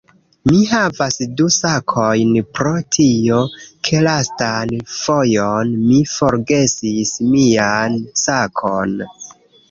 Mi havas du sakojn pro tio, ke lastan fojon mi forgesis mian sakon